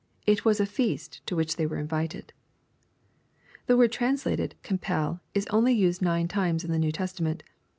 It was a feast to which they were invited.'* The word translated " compel," is only used nine times in the Kew Testament.